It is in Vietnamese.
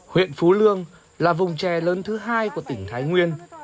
huyện phú lương là vùng trè lớn thứ hai của tỉnh thái nguyên